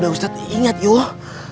ustaz ingat yuk